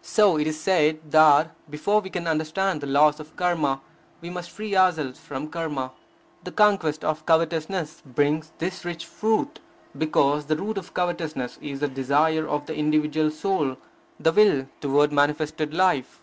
So it is said that, before we can understand the laws of Karma, we must free ourselves from Karma. The conquest of covetousness brings this rich fruit, because the root of covetousness is the desire of the individual soul, the will toward manifested life.